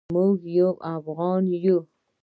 موږ یو افغان یو.